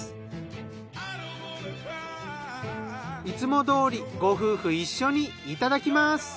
いつもどおりご夫婦一緒にいただきます。